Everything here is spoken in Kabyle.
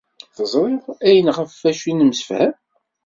Teẓriḍ ayen ɣef acu ay nemsefham?